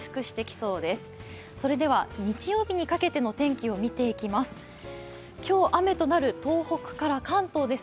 それでは日曜日にかけての天気を見ていきます。